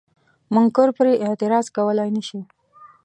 منکر پرې اعتراض کولای نشي.